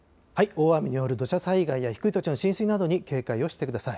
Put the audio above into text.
大雨による土砂災害や低い土地の浸水などに警戒をしてください。